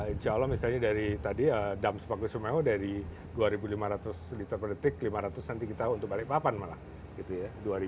insya allah misalnya dari tadi dam sepaku semoy dari dua ribu lima ratus liter per detik lima ratus nanti kita untuk balik papan malah gitu ya